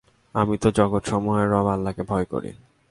আমি তো জগতসমূহের রব আল্লাহকে ভয় করি।